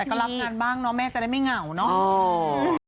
แต่ก็รับงานบ้างเนาะแม่จะได้ไม่เหงาเนาะ